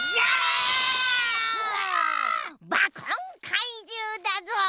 バコンかいじゅうだぞ！